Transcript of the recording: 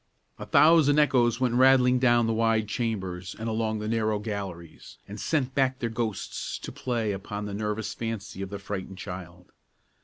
A thousand echoes went rattling down the wide chambers and along the narrow galleries, and sent back their ghosts to play upon the nervous fancy of the frightened child.